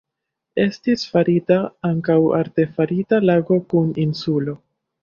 Estis farita ankaŭ artefarita lago kun insulo.